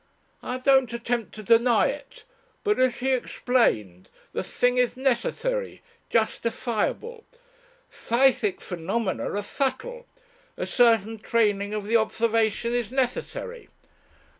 "I don't attempt to deny it. But, as he explained, the thing is necessary justifiable. Psychic phenomena are subtle, a certain training of the observation is necessary.